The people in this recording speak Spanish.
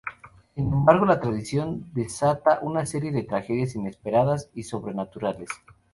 Sin embargo, la traición desata una serie de tragedias inesperadas y sobrenaturales.